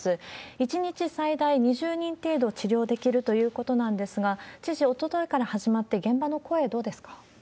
１日最大２０人程度治療できるということなんですが、知事、おとといから始まって、現場の声、どうですか？